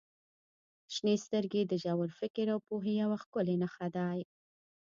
• شنې سترګې د ژور فکر او پوهې یوه ښکلې نښه دي.